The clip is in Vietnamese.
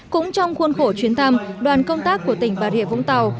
cũng trong khuôn khổ chuyến thăm đoàn công tác của tỉnh bà rịa vũng tàu